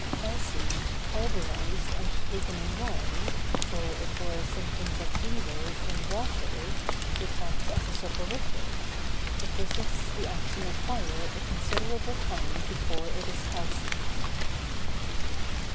Calcined, pulverized, and taken in wine, or, if there are symptoms of fever, in water, it acts as a soporific. It resists the action of fire a considerable time before it is calcined.